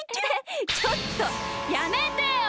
ちょっとやめてよ！